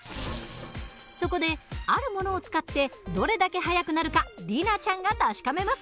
そこであるものを使ってどれだけ速くなるか里奈ちゃんが確かめます。